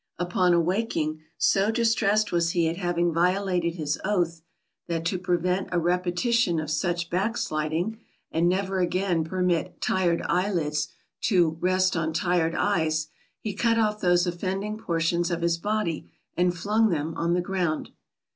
Upon awaking, so distressed was he at having violated his oath that, to prevent a repetition of such backsliding and never again permit "tired eyelids" to "rest on tired eyes," he cut off those offending portions of his body, and flung them on the ground.